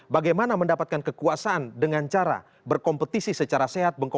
bagaimana mendapatkan kekuasaan dengan cara berkompetisi secara sehat